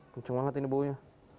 kenceng banget ini baunya